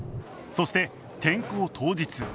そして転校当日